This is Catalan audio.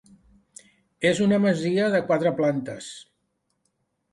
És una masia de quatre plantes.